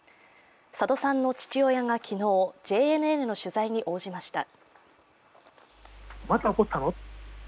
佐戸さんの父親が昨日、ＪＮＮの取材に応じました。